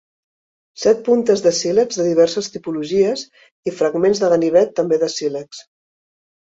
Set puntes de sílex de diverses tipologies i fragments de ganivet, també de sílex.